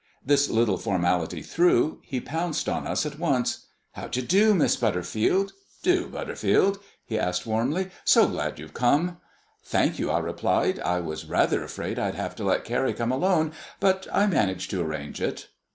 This little formality through, he pounced on us at once. "How d'ye do, Miss Butterfield? Do, Butterfield?" he said warmly. "So glad you've come." "Thank you," I replied. "I was rather afraid I'd have to let Carrie come alone, but I managed to arrange it."